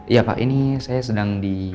iya pak ini saya sedang di